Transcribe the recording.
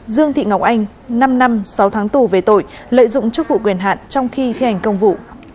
dương thị ngọc anh năm năm sáu tháng tù về tội lợi dụng chức vụ quyền hạn trong khi thi hành công vụ